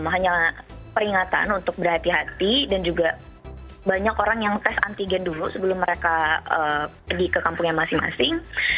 hanya peringatan untuk berhati hati dan juga banyak orang yang tes antigen dulu sebelum mereka pergi ke kampungnya masing masing